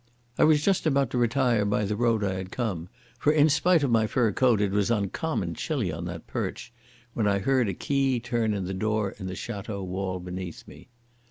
I was just about to retire by the road I had come, for in spite of my fur coat it was uncommon chilly on that perch, when I heard a key turn in the door in the Château wall beneath me.